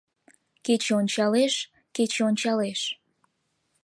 Кече ончалеш, кече ончалеш